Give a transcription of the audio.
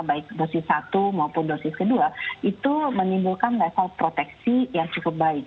baik dosis satu maupun dosis kedua itu menimbulkan level proteksi yang cukup baik